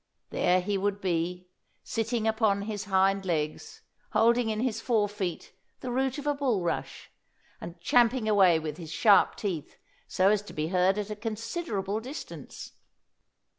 There he would be, sitting upon his hind legs, holding in his fore feet the root of a bulrush, and champing away with his sharp teeth so as to be heard at a considerable distance.